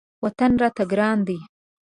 وطن راته ګران دی.